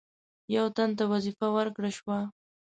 یو تن ته وظیفه ورکړه شوه.